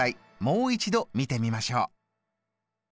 もう一度見てみましょう。